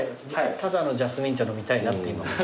ただのジャスミン茶飲みたいなって今。